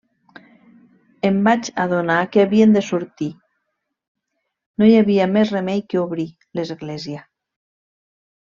Em vaig adonar que havien de sortir, no hi havia més remei que obrir l'església.